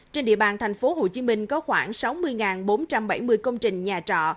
trên địa bàn thành phố hồ chí minh có khoảng sáu mươi bốn trăm bảy mươi công trình nhà trọ